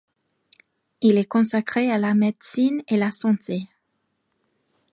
Il est consacré à la médecine et la santé.